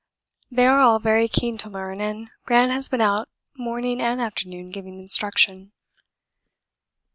They are all very keen to learn, and Gran has been out morning and afternoon giving instruction.